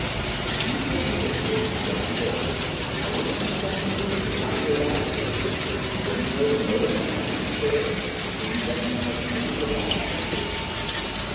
"If you feel equal to it," suggested Burke, "I wish you'd tell me briefly how you arrived here. Do you know the motive behind this affair? Did you recognize any of the body snatchers?"